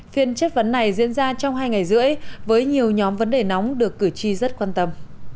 phiên chất vấn này diễn ra trong hai ngày rưỡi với nhiều nhóm vấn đề nóng được cử tri rất quan tâm